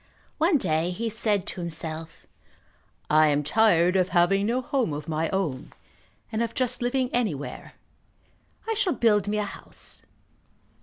One day he said to himself, "I am tired of having no home of my own, and of just living anywhere. I shall build me a house."